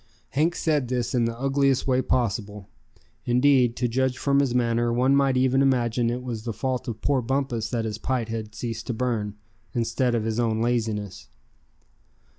Hank said this in the ugliest way possible. Indeed, to judge from his manner, one might even imagine it was the fault of poor Bumpus that his pipe had ceased to burn, instead of his own laziness.